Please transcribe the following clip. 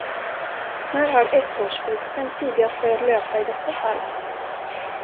När har ettårsfristen tidigast börjat löpa i detta fall?